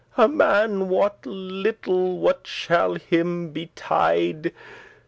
<25> A man wot* little what shall him betide.